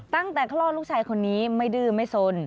ตั้งแต่ข้อล่อนลูกชายคนนี้ไม่ดืมไม่สน